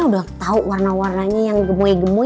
udah tau warna warnanya yang gemoy gemoy